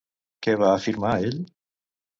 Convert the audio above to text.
Què va afirmar ell?